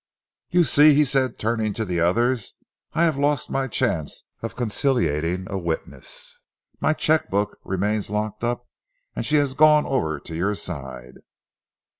"You see," he said, turning to the others, "I have lost my chance of conciliating a witness. My cheque book remains locked up and she has gone over to your side."